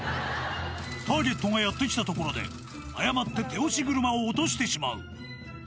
ターゲットがやって来たところで、誤って手押し車を落としてしまう。